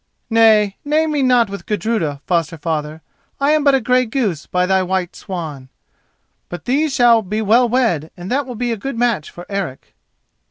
"Nay, name me not with Gudruda, foster father; I am but a grey goose by thy white swan. But these shall be well wed and that will be a good match for Eric."